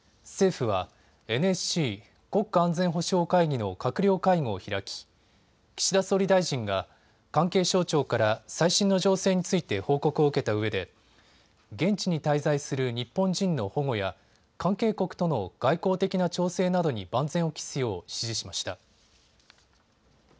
政府はＮＳＣ・国家安全保障会議の閣僚会合を開き岸田総理大臣は関係省庁から最新の情勢について報告を受けたうえで現地に滞在する日本人の保護や関係国との外交的な調整などに万全を期すよう指示しました。